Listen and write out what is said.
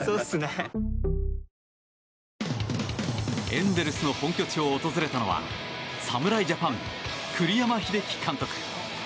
エンゼルスの本拠地を訪れたのは侍ジャパン、栗山英樹監督。